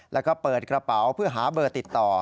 แล้วก็เปิดกระเป๋าเพื่อหาเบอร์ติดต่อ